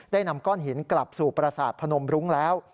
ได้นำก้อนหินกลับสู่ปรศาสตร์พระนมรุงแล้ว